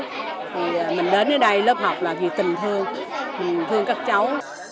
thì mình đến ở đây lớp học là vì tình thương thương các cháu